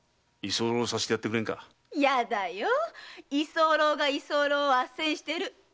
やだよ居候が居候を斡旋してる。